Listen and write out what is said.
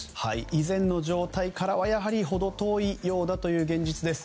以前の状態からは程遠いようだという現実です。